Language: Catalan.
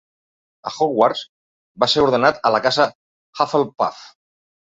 A Hogwarts, va ser ordenat a la casa Hufflepuff